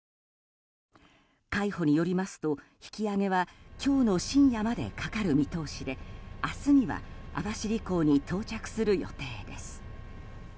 海保によりますと、引き揚げは今日の深夜までかかる見通しで明日には網走港に到着する予定です。